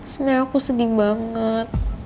sebenernya aku sedih banget